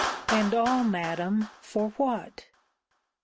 'And all, Madam, for what?'